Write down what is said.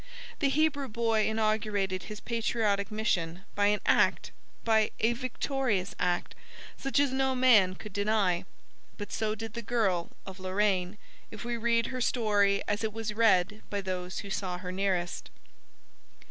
The Hebrew boy inaugurated his patriotic mission by an act, by a victorious act, such as no man could deny. But so did the girl of Lorraine, if we read her story as it was read by those who saw her nearest.